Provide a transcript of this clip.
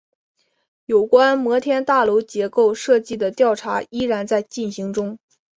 有关摩天大楼结构设计的调查依然在进行中。